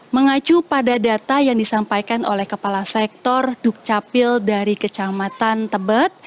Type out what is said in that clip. mengacu pada data yang disampaikan oleh kepala sektor dukcapil dari kecamatan tebet